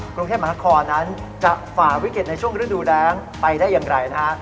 กรุงเทพมหานครนั้นจะฝ่าวิกฤตในช่วงฤดูแรงไปได้อย่างไรนะฮะ